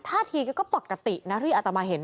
ท่าทีก็ปกตินะที่อาตมาเห็น